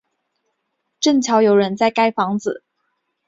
正巧有人在盖房子